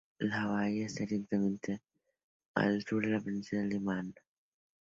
La bahía está directamente al sur de la península de Manama.